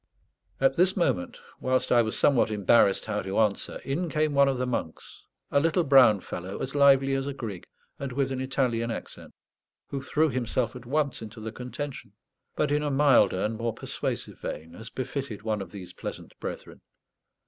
At this moment, whilst I was somewhat embarrassed how to answer, in came one of the monks, a little brown fellow, as lively as a grig, and with an Italian accent, who threw himself at once into the contention, but in a milder and more persuasive vein, as befitted one of these pleasant brethren.